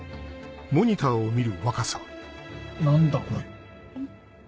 何だこれ。